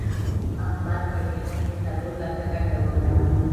احمد په ټېکه کې څلور لکه ګټه وکړه.